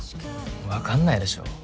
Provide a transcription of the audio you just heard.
わかんないでしょ